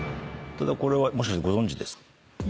これはもしかしてご存じですか？